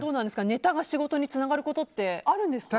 ネタが仕事につながることってあるんですか？